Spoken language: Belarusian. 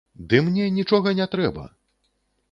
Ды мне нічога не трэба!